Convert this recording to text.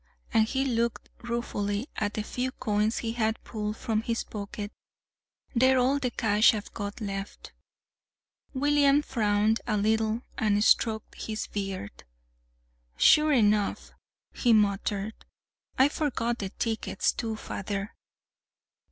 And he looked ruefully at a few coins he had pulled from his pocket. "They're all the cash I've got left." William frowned a little and stroked his beard. "Sure enough!" he muttered. "I forgot the tickets, too, father.